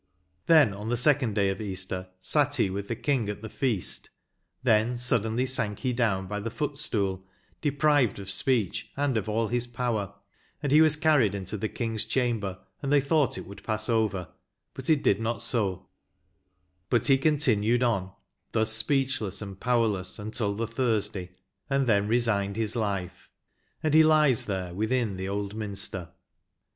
Then on the second day of Easter, sat he with the King at thQ feast ; then suddenly sank he down by the foot stool, deprived of speech, and of all his power, and he was carried into the kings chamber, and they thought it would pass over, but it did not so ; but he continued on, thus speechless and powerless, until the Thursday, and then resigned his life, and he lies there within the Old Minster."